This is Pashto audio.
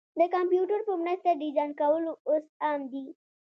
د کمپیوټر په مرسته ډیزاین کول اوس عام دي.